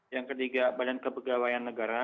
yang ketiga badan kepegawaian negara